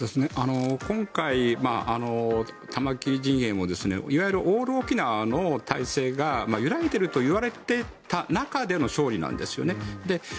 今回、玉城陣営もいわゆるオール沖縄の体制が揺らいでいるといわれていた中での勝利なんですよね。